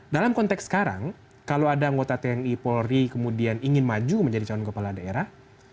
dalam konteks sekarang kalau ada anggota tni polri kemudian ingin maju menjadi calon kepala daerah